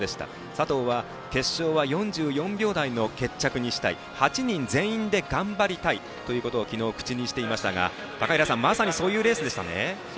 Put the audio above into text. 佐藤は決勝は４４秒台の決着にしたい８人全員で頑張りたいということを昨日、口にしていましたがまさにそういうレースでしたね。